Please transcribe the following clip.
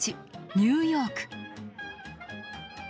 ニューヨーク。